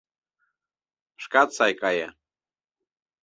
Шкат сай кае.